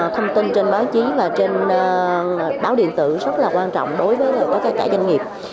thông tin trên báo chí và trên báo điện tử rất là quan trọng đối với tất cả doanh nghiệp